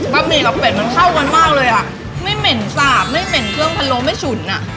ะหมี่หรอกเป็ดมันเข้ากันมากเลยอ่ะไม่เหม็นสาบไม่เหม็นเครื่องพะโล้ไม่ฉุนอ่ะ